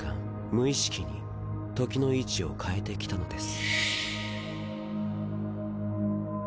無意識に時の位置を変えてきたのです。